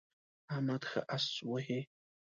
احمد ښه اس وهي.